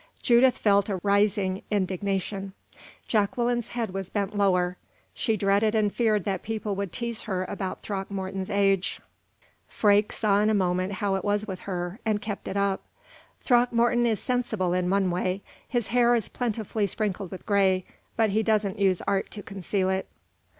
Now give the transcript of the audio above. Judith felt a rising indignation. Jacqueline's head was bent lower. She dreaded and feared that people would tease her about Throckmorton's age. Freke saw in a moment how it was with her, and kept it up. "Throckmorton is sensible in one way. His hair is plentifully sprinkled with gray, but he doesn't use art to conceal it."